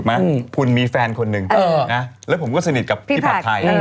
ไหมคุณมีแฟนคนหนึ่งแล้วผมก็สนิทกับพี่ผัดไทย